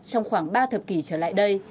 trong khoảng ba thập kỷ trở lại đây